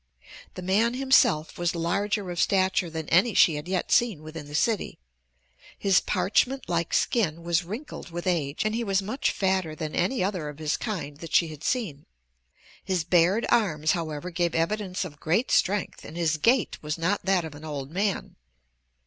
The man himself was larger of stature than any she had yet seen within the city. His parchment like skin was wrinkled with age and he was much fatter than any other of his kind that she had seen. His bared arms, however, gave evidence of great strength and his gait was not that of an old man.